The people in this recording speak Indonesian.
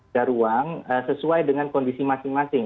daruang sesuai dengan kondisi masing masing